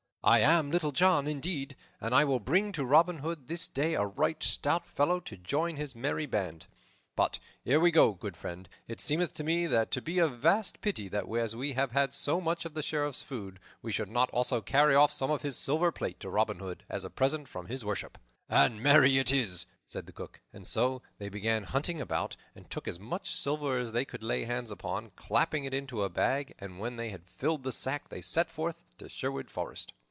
"I am Little John, indeed, and I will bring to Robin Hood this day a right stout fellow to join his merry band. But ere we go, good friend, it seemeth to me to be a vast pity that, as we have had so much of the Sheriff's food, we should not also carry off some of his silver plate to Robin Hood, as a present from his worship." "Ay, marry is it," said the Cook. And so they began hunting about, and took as much silver as they could lay hands upon, clapping it into a bag, and when they had filled the sack they set forth to Sherwood Forest.